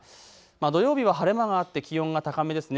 土曜日は晴れ間があって気温が高めです。